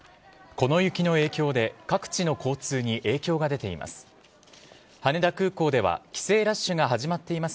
この雪の影響で、各地の交通に影響が出ています。